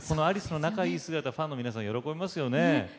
アリスの仲いい姿ファンの皆さん喜びますよね。